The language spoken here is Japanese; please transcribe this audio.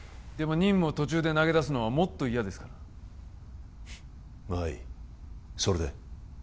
でも任務を途中で投げ出すのはもっと嫌ですからフンまあいいそれで？